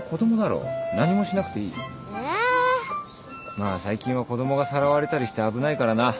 まあ最近は子供がさらわれたりして危ないからな。